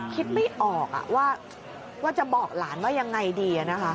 คิดไม่ออกอ่ะว่าว่าจะบอกหลานว่ายังไงดีอ่ะนะคะ